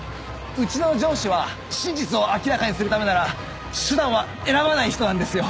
うちの上司は真実を明らかにするためなら手段は選ばない人なんですよ。